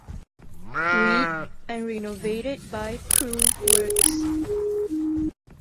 Reed, and renovated by Crewe works.